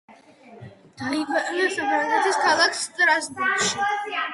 დაიბადა საფრანგეთის ქალაქ სტრასბურგში.